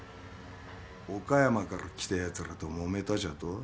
岡山から来たやつらともめたじゃと？